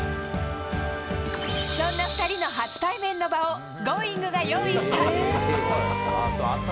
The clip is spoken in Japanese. そんな２人の初対面の場をＧｏｉｎｇ！が用意した。